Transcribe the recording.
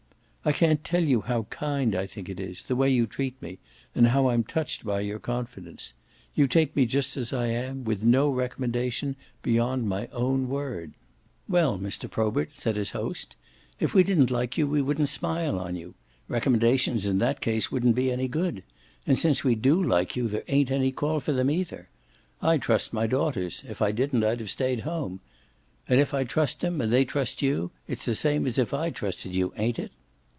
"I can't tell you how kind I think it the way you treat me, and how I'm touched by your confidence. You take me just as I am, with no recommendation beyond my own word." "Well, Mr. Probert," said his host, "if we didn't like you we wouldn't smile on you. Recommendations in that case wouldn't be any good. And since we do like you there ain't any call for them either. I trust my daughters; if I didn't I'd have stayed at home. And if I trust them, and they trust you, it's the same as if I trusted you, ain't it?"